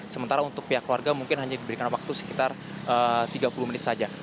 sementara untuk pihak keluarga mungkin hanya diberikan waktu sekitar tiga puluh menit saja